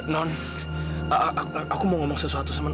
non aku mau ngomong sesuatu